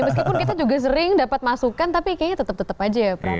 meskipun kita juga sering dapat masukan tapi kayaknya tetap tetap aja ya prabu